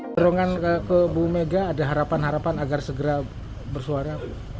dorongan ke bu mega ada harapan harapan agar segera bersuara